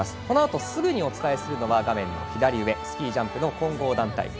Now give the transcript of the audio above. このあとすぐにお伝えするのは画面の左上スキージャンプの混合団体。